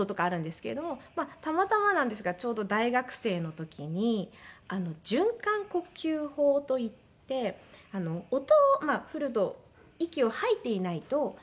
たまたまなんですがちょうど大学生の時に循環呼吸法といって音フルート息を吐いていないと音が出ないんですけど。